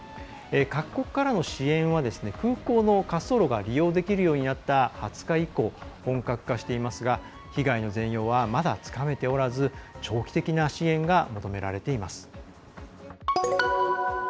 各国からの支援は空港の滑走路が利用できるようになった２０日以降、本格化していますが被害の全容はまだ、つかめておらず長期的な支援が求められています。